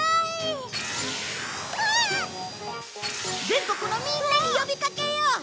全国のみんなに呼びかけよう！